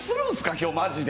今日、マジで。